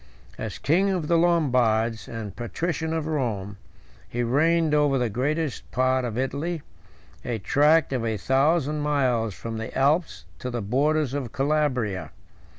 III. As king of the Lombards, and patrician of Rome, he reigned over the greatest part of Italy, 109 a tract of a thousand miles from the Alps to the borders of Calabria.